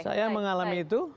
saya mengalami itu